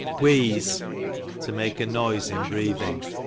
Wheeze, to make a noise in breath ing.